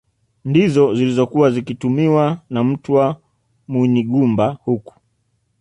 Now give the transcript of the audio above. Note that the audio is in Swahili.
Ndizo zilizokuwa zikitumiwa na Mtwa Munyigumba huku